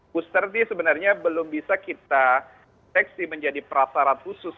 booster ini sebenarnya belum bisa kita seksi menjadi prasarat khusus